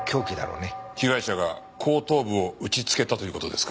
被害者が後頭部を打ちつけたという事ですか？